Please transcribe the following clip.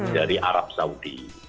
dari arab saudi